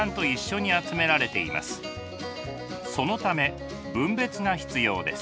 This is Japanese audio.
そのため分別が必要です。